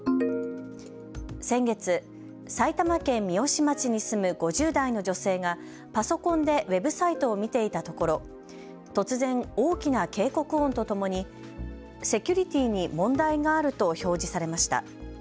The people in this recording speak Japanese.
先月、埼玉県三芳町に住む５０代の女性がパソコンでウェブサイトを見ていたところ突然、大きな警告音とともにセキュリティーに問題があると表示されました。